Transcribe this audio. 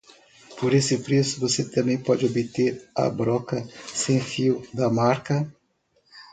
Por esse preço, você também pode obter a broca sem fio da marca.